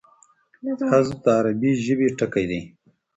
حذف د عربي ژبي ټکی دﺉ.